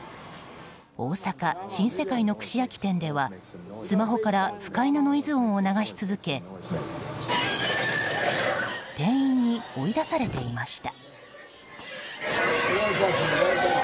大阪・新世界の串焼き店ではスマホから不快なノイズ音を流し続け店員に追い出されていました。